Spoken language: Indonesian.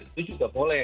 itu juga boleh